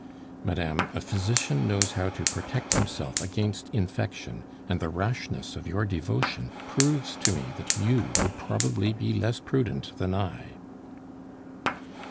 "Madame, a physician knows how to protect himself against infection, and the rashness of your devotion proves to me that you would probably be less prudent than I."